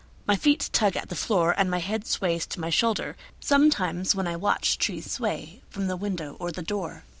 My feet tug at the floorAnd my head sways to my shoulderSometimes when I watch trees sway, From the window or the door.